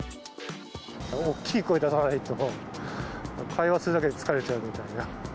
大きい声出さないと、会話するだけで疲れちゃうみたいな。